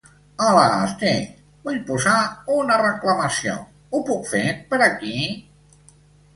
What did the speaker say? Hola, sí, vull posar una reclamació, ho puc fer per aquí?